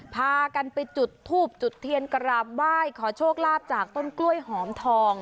พากันไปจุดทูบจุดเทียนกราบไหว้ขอโชคลาภจากต้นกล้วยหอมทอง